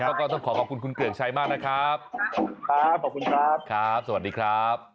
แล้วก็ต้องขอบคุณคุณเกือกชัยมากนะครับครับสวัสดีครับ